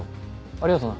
ありがとな。